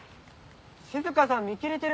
静さん見切れてる。